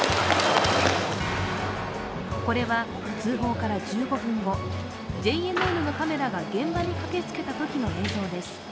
これは通報から１５分後、ＪＮＮのカメラが現場に駆けつけたときの映像です。